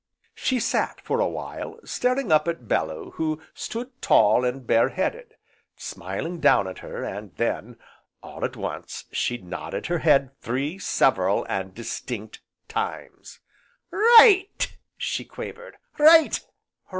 She sat, for a while, staring up at Bellew who stood tall, and bare headed, smiling down at her; and then, all at once, she nodded her head three several, and distinct times. "Right!" she quavered, "right!